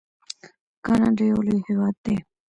کاناډا یو لوی هیواد دی.